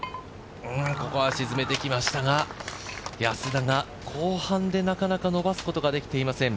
ここは沈めてきましたが、安田が後半でなかなか伸ばすことができていません。